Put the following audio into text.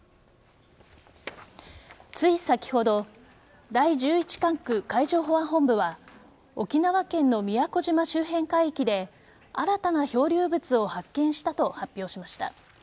つい先ほど第１１管区海上保安本部は沖縄県の宮古島周辺海域で新たな漂流物を発見したと発表しました。